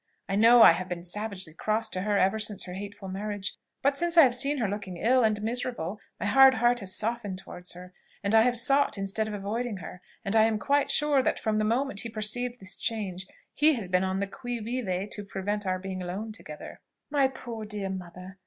I know I have been savagely cross to her ever since her hateful marriage: but since I have seen her looking ill and miserable, my hard heart has softened towards her, and I have sought, instead of avoiding her; and I am quite sure, that from the moment he perceived this change, he has been on the qui vive to prevent our being alone together." "My poor dear mother!